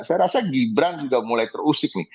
saya rasa gibran juga mulai terusik nih